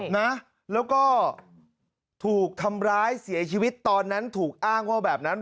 นะแล้วก็ถูกทำร้ายเสียชีวิตตอนนั้นถูกอ้างว่าแบบนั้น